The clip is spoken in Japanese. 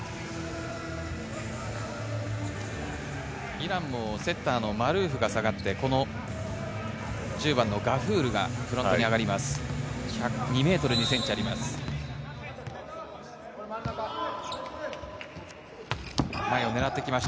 イランもセッターのマルーフが下がって１０番のガフールがフロントに上がります。